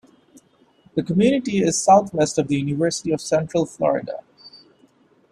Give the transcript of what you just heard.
The community is southwest of the University of Central Florida.